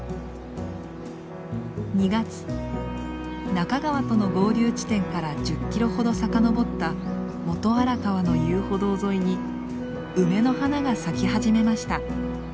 中川との合流地点から１０キロほど遡った元荒川の遊歩道沿いに梅の花が咲き始めました。